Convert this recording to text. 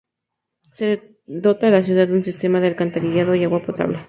Se dota a la ciudad de un sistema de alcantarillado y agua potable.